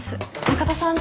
中田さん